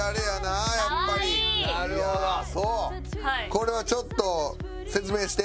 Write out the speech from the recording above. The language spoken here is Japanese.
これはちょっと説明して。